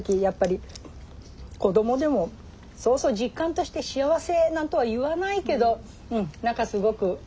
やっぱり子どもでもそうそう実感として「幸せ」なんとは言わないけど何かすごく。